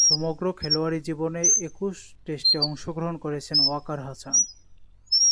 সমগ্র খেলোয়াড়ী জীবনে একুশ টেস্টে অংশগ্রহণ করেছেন ওয়াকার হাসান।